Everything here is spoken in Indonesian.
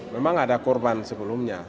memang ada korban sebelumnya